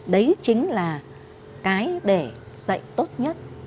đấy chính là cái để dạy tốt nhất